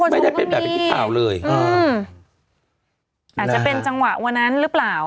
ไม่ได้เป็นแบบเป็นที่ข่าวเลยอืมอาจจะเป็นจังหวะวันนั้นหรือเปล่า